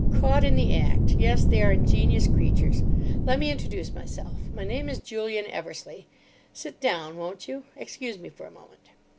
"'Caught in the act.' Yes, they are ingenious creatures. Let me introduce myself. My name is Julian Eversleigh. Sit down, won't you? Excuse me for a moment."